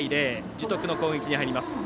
樹徳の攻撃に入ります。